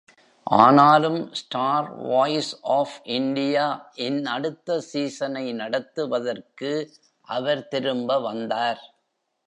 ஆனாலும், "Star Voice of India" -இன் அடுத்த சீசனை நடத்துவதற்கு அவர் திரும்ப வந்தார்.